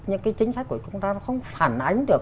những cái chính sách của chúng ta nó không phản ánh được